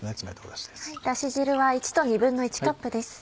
ダシ汁は１と１／２カップです。